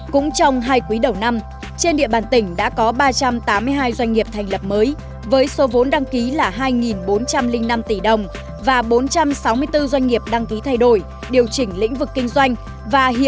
cũng trong hai quý đầu năm trên địa bàn tỉnh đã có ba trăm tám mươi hai doanh nghiệp thành lập mới với số vốn đăng ký là hai bốn trăm linh năm tỷ đồng và bốn trăm sáu mươi bốn doanh nghiệp đăng ký thay đổi điều chỉnh lĩnh vực kinh doanh